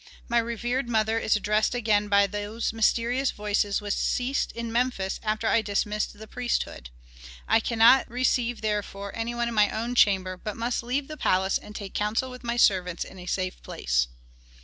My revered mother is addressed again by those mysterious voices which ceased in Memphis after I dismissed the priesthood. I cannot receive therefore any one in my own chamber, but must leave the palace and take counsel with my servants in a safe place."